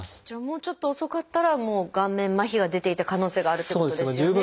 じゃあもうちょっと遅かったらもう顔面麻痺が出ていた可能性があるってことですよね。